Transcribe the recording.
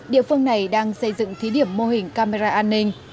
địa phương này đang xây dựng thí điểm mô hình camera an ninh